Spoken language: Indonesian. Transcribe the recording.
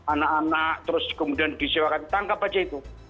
anak anak terus kemudian disewakan tangkap saja itu